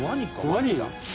ワニだ！」